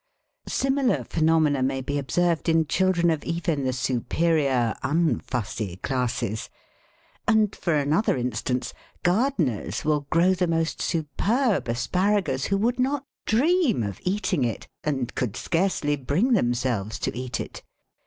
Similar phenomena may be observed in children of even the superior unfussy classes. And, for another instance, gardeners will grow the most superb asparagus who would not dream of eating } THE COMPLETE FUSSER 77 it, and could scarcely bring themselves to eat it.